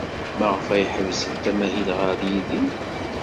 Maɣef ay ḥebsent amahil ɣer Yidir?